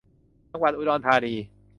จังหวัดอุดรธานี